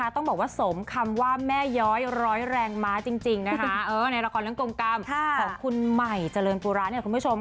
ต้องบอกว่าสมคำว่าแม่ย้อยร้อยแรงม้าจริงในละครเรื่องกลมกล้ำของคุณใหม่เจริญปุราณ